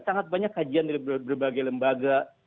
sangat banyak kajian dari berbagai lembaga